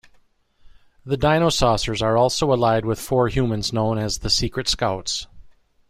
The Dinosaucers are also allied with four humans known as the Secret Scouts.